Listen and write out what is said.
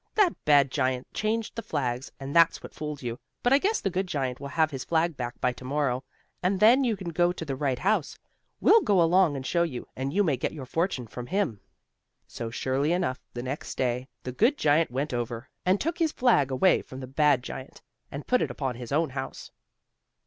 "That bad giant changed the flags, and that's what fooled you. But I guess the good giant will have his flag back by to morrow, and then you can go to the right house. We'll go along and show you, and you may get your fortune from him." So, surely enough, the next day, the good giant went over and took his flag away from the bad giant, and put it upon his own house.